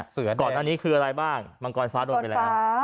เสืออันนี้คืออะไรบ้างมังกรฟ้าโดนไปแล้วมังกรฟ้า